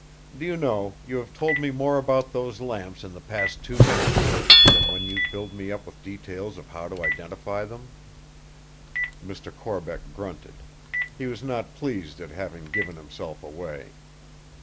Do you know, you have told me more about those lamps in the past two minutes than when you filled me up with details of how to identify them." Mr. Corbeck grunted; he was not pleased at having given himself away.